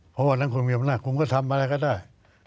เพราะวันนั้นคุณมีอำนาจคุณก็ทำอะไรก็ได้